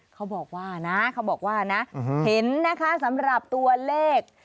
เขาบอกว่านะเห็นนะคะสำหรับตัวเลข